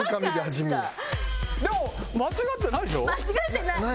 でも間違ってないでしょ？